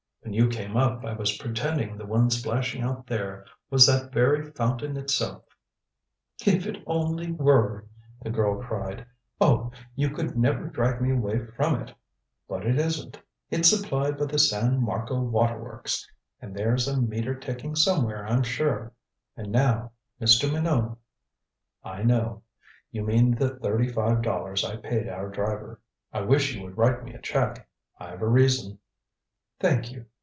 When you came up I was pretending the one splashing out there was that very fountain itself " "If it only were," the girl cried. "Oh you could never drag me away from it. But it isn't. It's supplied by the San Marco Water Works, and there's a meter ticking somewhere, I'm sure. And now Mr. Minot " "I know. You mean the thirty five dollars I paid our driver. I wish you would write me a check. I've a reason." "Thank you.